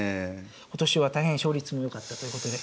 今年は大変勝率も良かったということで。